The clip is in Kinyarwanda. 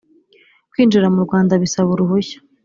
kwinjira mu Rwanda bisaba uruhushya